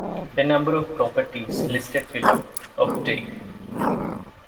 A number of properties, listed below, obtain.